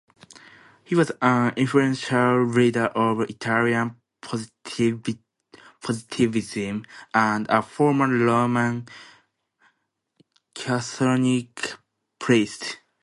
He was an influential leader of Italian positivism and a former Roman Catholic priest.